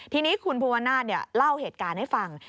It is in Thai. ทีนี้คุณภูวนาศเล่าเหตุการณ์ให้ฟัง